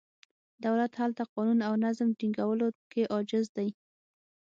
دولت هلته قانون او نظم ټینګولو کې عاجز دی.